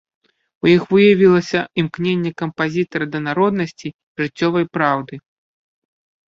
У іх выявілася імкненне кампазітара да народнасці, жыццёвай праўды.